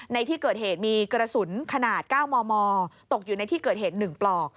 ในที่เกิดเหตุมีกระสุนขนาด๙มมตกอยู่ในที่เกิดเหตุ๑ปลอก